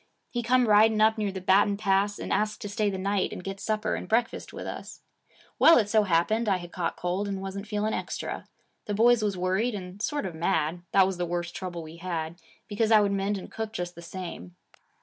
He come riding up near the Baton Pass, and asked to stay the night and get supper and breakfast with us. Well, it so happened I had caught cold and wasn't feeling extra. The boys was worried and sort of mad, that was the worst trouble we had, because I would mend and cook just the same.